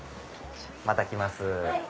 また来ます。